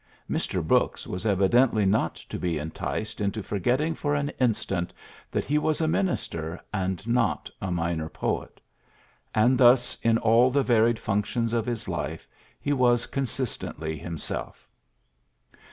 '' Mr. Brooks was evidently not to be enticed into forgetting for an in stant that he was a minister, and not a minor poet. And thus in all the varied functions of his life he was consistently himself.